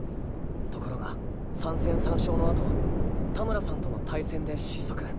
ところが３戦３勝の後田村さんとの対戦で失速。